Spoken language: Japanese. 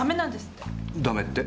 ダメって？